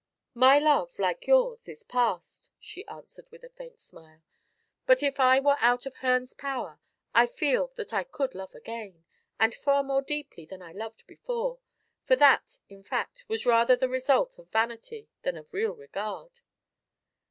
"My love, like yours, is past," she answered, with a faint smile; "but if I were out of Herne's power I feel that I could love again, and far more deeply than I loved before for that, in fact, was rather the result of vanity than of real regard."